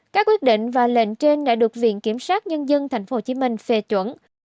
các quyết định và lệnh trên đã được viện kiểm sát nhân dân tp hcm phê chuẩn